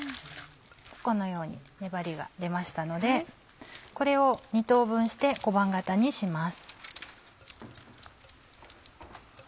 このように粘りが出ましたのでこれを２等分して小判形にします。